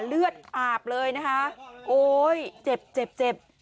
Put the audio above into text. เลือดอาบเลยนะคะโอ้ยเจ็บ